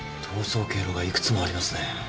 逃走経路が幾つもありますね。